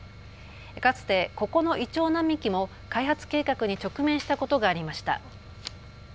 かつてここのイチョウ並木も開発計画に直面したことがありました。